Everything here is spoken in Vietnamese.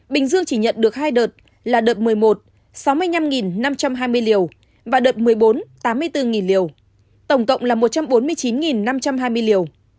bình dương chỉ nhận được hai đợt là đợt một mươi một sáu mươi năm năm trăm hai mươi liều và đợt một mươi bốn tám mươi bốn liều tổng cộng là một trăm bốn mươi chín năm trăm hai mươi liều